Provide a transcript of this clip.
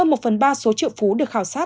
hơn một ba số triệu phú được khảo sát